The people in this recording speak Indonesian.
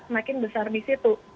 makin besar disitu